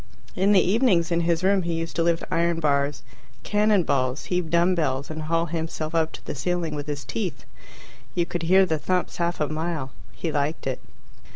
In the evenings in his room he used to lift iron bars, cannon balls, heave dumb bells, and haul himself up to the ceiling with his teeth. You could hear the thumps half a mile. He liked it.